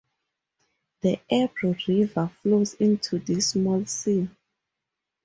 The Ebro River flows into this small sea.